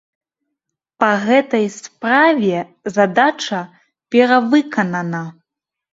Па гэтай справе задача перавыканана.